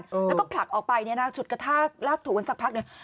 แล้วก็ผลักออกไปเนี่ยนะฉุดกระชากลากถูกันสักพักหนึ่ง